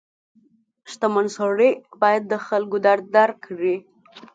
• شتمن سړی باید د خلکو درد درک کړي.